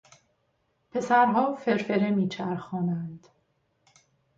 پسرها فرفره میچرخانند.